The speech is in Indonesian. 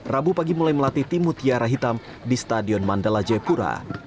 rabu pagi mulai melatih tim mutiara hitam di stadion mandala jayapura